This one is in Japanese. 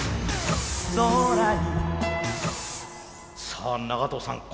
さあ長藤さん